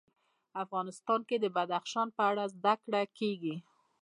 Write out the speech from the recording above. افغانستان کې د بدخشان په اړه زده کړه کېږي.